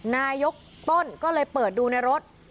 นายกต้นก็เลยเปิดดูในรถ